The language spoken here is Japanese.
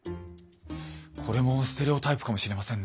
これもステレオタイプかもしれませんね。